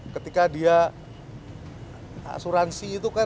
ketika dia asuransi itu kan